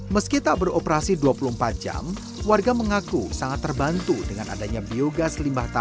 meski tak beroperasi dua puluh empat jam warga mengaku sangat terbantu dengan adanya biogas limbah tanah